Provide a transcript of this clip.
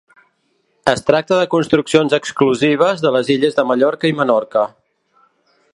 Es tracta de construccions exclusives de les illes de Mallorca i Menorca.